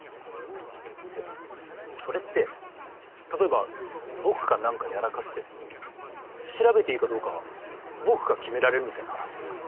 えっそれって例えば僕が何かやらかしてても調べていいかどうか僕が決められるみたいな話っすか？